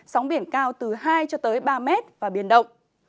sóng biển cao từ hai ba mét và biển động